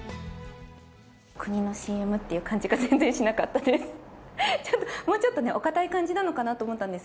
国のＣＭって感じが全然しなかったです。